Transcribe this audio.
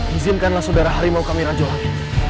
izinkanlah saudara harimau kami raja langit